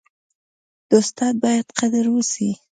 د استاد باید قدر وسي.